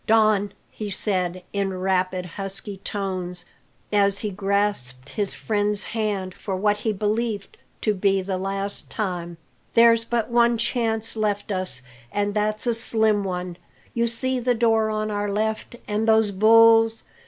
"Don," he said, in rapid, husky tones, as he grasped his friend's hand for what he believed to be the last time, "there's but one chance left us, and that's a slim one. You see the door on our left, and those bulls?